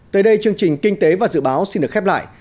tới đây chương trình kinh tế và dự báo xin được khép lại